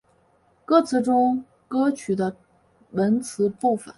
歌词是歌曲中的文词部分。